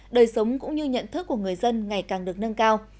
đời sống cũng như nhận thức của người dân ngày càng được nâng cao